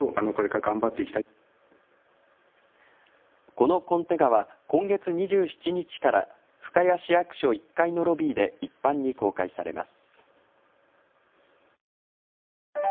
このコンテ画は今月２７日から深谷市役所１階のロビーで一般に公開されます。